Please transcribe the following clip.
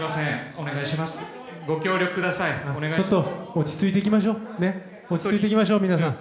落ち着いていきましょう皆さん。